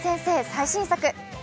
最新作。